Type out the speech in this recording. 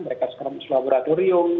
mereka harus ke laboratorium